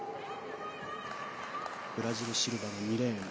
ブラジルのシルバが２レーン。